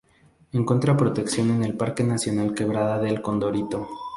Encuentra protección en el parque nacional Quebrada del Condorito.